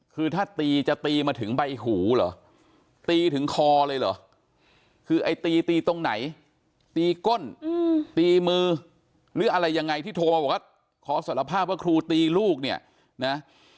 คือถ้าตีจะตีมาถึงใบหูเหรอตีถึงคอเลยเหรอคือไอ้ตีตีตรงไหนตีก้นตีมือหรืออะไรยังไงที่โทรมาบอกว่าขอสารภาพว่าครูตีลูกเนี่ยนะ